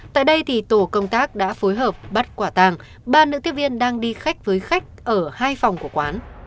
tại đây tổ công tác đã phối hợp bắt quả tàng ba nữ tiếp viên đang đi khách với khách ở hai phòng của quán